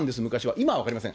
今は分かりません。